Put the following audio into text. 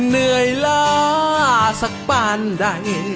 เหนื่อยล่าสักปันใด